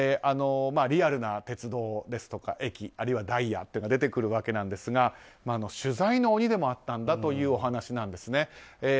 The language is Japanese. リアルな鉄道ですとか、駅あるいはダイヤというのが出てくるわけなんですが取材の鬼でもあったという話なんです。